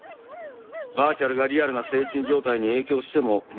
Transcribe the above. バーチャルがリアルな精神状態に影響しても無理はありませんよ。